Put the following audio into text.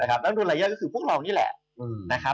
นักลงทุนลายย่อยก็คือพวกเรานี่แหละ